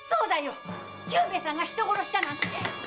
久兵衛さんが人殺しだなんてとんでもない！